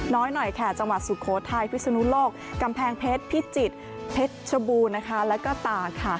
น้อยหน่อยแค่จังหวัดสุโคทไทยพิสุนุโลกกำแพงเพชรพิจิตรเพชรชบูและก็ต่างค่ะ